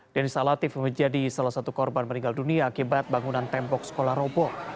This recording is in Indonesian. denn salatif menjadi salah satu korban meninggal dunia akibat bangunan tembok sekolah roboh